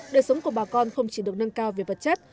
đời sống của bà con không chỉ được nâng cao về vật chất